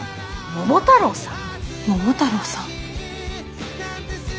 桃太郎さん。